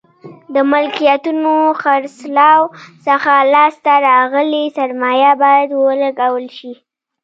د ملکیتونو خرڅلاو څخه لاس ته راغلې سرمایه باید ولګول شي.